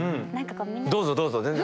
どうぞどうぞ全然。